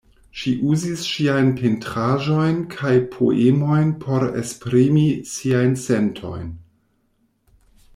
Ŝi uzis ŝiajn pentraĵojn kaj poemojn por esprimi siajn sentojn.